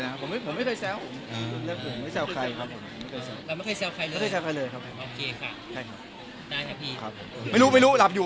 ถ้ามันมีแฟนแล้วทหารหนึ่งเขาแซวไปต้องระวังไหมเอา